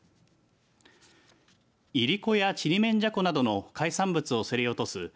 いりこや、ちりめんじゃこなどの海産物を競り落とす